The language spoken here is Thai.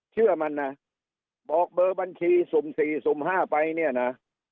เชื่อมันนะบอกเบอร์บัญชีสุ่ม๔สุ่ม๕ไปเนี่ยนะ